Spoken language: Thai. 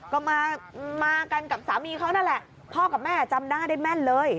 ก็มากันกับสามีเขานั่นแหละพ่อกับแม่จำหน้าได้แม่นเลย